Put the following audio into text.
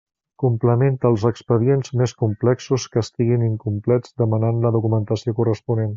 Complementa els expedients més complexos que estiguin incomplets demanant la documentació corresponent.